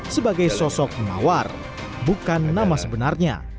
sebagai sosok mawar bukan nama sebenarnya